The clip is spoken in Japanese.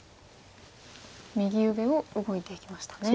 右上を動いていきましたね。